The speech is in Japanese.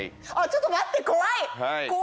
ちょっと待って怖い！